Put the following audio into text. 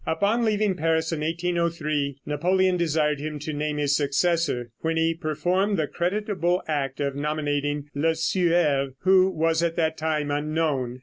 Upon leaving Paris, in 1803, Napoleon desired him to name his successor, when he performed the creditable act of nominating Lesueur, who was at that time unknown.